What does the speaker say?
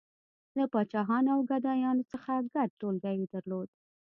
• له پاچاهانو او ګدایانو څخه ګډ ټولګی یې درلود.